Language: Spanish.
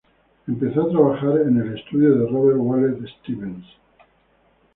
Empezó a trabajar en el estudio de Robert Mallet-Stevens.